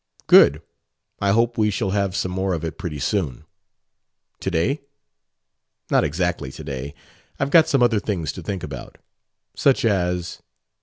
"Good. I hope we shall have some more of it pretty soon." "To day?" "Not exactly to day. I've got some other things to think about." "Such as?"